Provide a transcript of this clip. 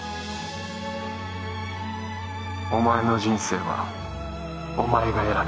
お前の人生はお前が選べ